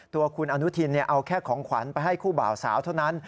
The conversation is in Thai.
ตัวคุณอนุทินเอาแค่ของขวัญไปให้คู่บ่าวสาวเท่านั้น